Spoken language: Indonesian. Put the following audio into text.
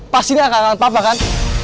pasti dia akan mengalahkan papa kan